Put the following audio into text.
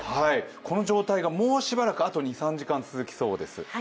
この状態がもうしばらく、あと２３時間ありそうです。